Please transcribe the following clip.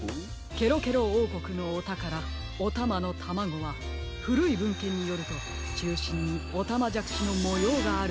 ケロケロおうこくのおたからおたまのタマゴはふるいぶんけんによるとちゅうしんにおたまじゃくしのもようがあるのです。